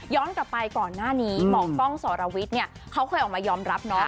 ย้อนกลับไปก่อนหน้านี้หมอกล้องสรวิทย์เขาเคยออกมายอมรับ